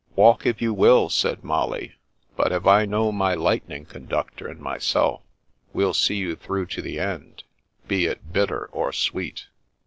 " Walk, if you will," said Molly; "but if I know my Lightning Conductor and myself, we'll see you through to the end, be it bitter or sweet."